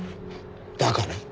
だから？